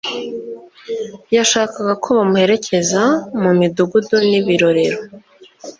yashakaga ko bamuherekeza mu midugudu n'ibirorero,